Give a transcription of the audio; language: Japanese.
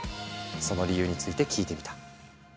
その理由について聞いてみた。